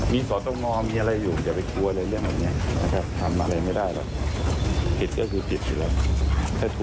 มีต้อต้องน้อมีอะไรอยู่อย่าไปกลัวเลยเรื่องแบบนี้นะครับทำอะไรไม่ได้แล้วผิดก็คือผิดอีกแล้วถ้าถูกก็คือถูก